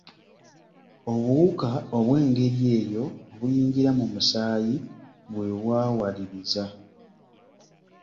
Obuwuka obw’engeri eyo obuyingira mu musaayi bwe bwawaliriza.